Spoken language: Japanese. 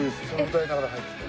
歌いながら入ってきた。